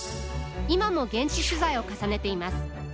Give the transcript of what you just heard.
今も現地取材を重ねています。